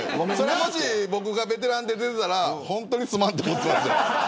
僕がベテランで出ていたら本当にすまんと思ってます。